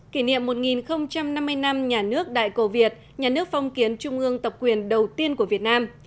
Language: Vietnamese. kỷ niệm một năm mươi năm nhà nước đại cầu việt nhà nước phong kiến trung ương tập quyền đầu tiên của việt nam